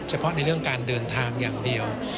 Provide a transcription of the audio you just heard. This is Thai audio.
เฉพาะในเรื่องการเดินทางอย่างเดียว